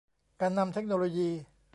การนำเทคโนโลยี